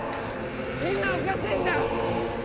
みんなおかしいんだ！